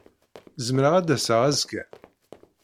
Zemreɣ ad d-aseɣ azekka?